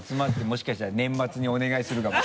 もしかしたら年末にお願いするかも。